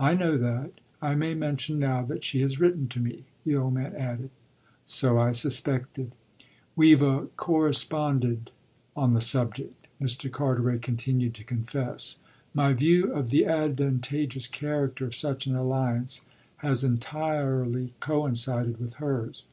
"I know that. I may mention now that she has written to me," the old man added. "So I suspected." "We've a corresponded on the subject," Mr. Carteret continued to confess. "My view of the advantageous character of such an alliance has entirely coincided with hers."